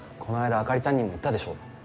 あかりちゃんにも言ったでしょ